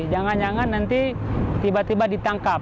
jangan jangan nanti tiba tiba ditangkap